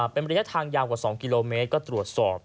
เป็นระยะทางยาวกว่า๒กิโลเมตรก็ตรวจสอบ